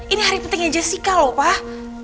ini hari pentingnya jessica lho pak